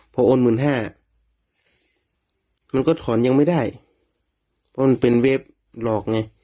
พอโอนหมื่นห้ามันก็ถอนยังไม่ได้เพราะมันเป็นเว็บหลอกไง